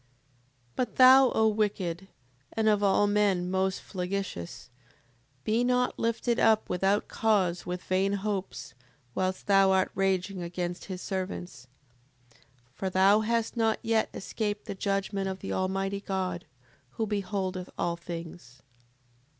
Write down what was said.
7:34. But thou, O wicked, and of all men most flagitious, be not lifted up without cause with vain hopes, whilst thou art raging against his servants. 7:35. For thou hast not yet escaped the judgment of the Almighty God, who beholdeth all things.